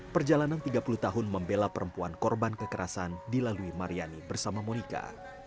perjalanan tiga puluh tahun membela perempuan korban kekerasan dilalui maryani bersama monika